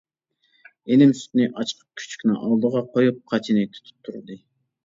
ئىنىم سۈتنى ئاچىقىپ كۈچۈكنىڭ ئالدىغا قويۇپ قاچىنى تۇتۇپ تۇردى.